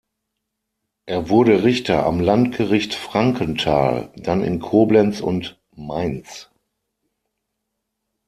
Er wurde Richter am Landgericht Frankenthal, dann in Koblenz und Mainz.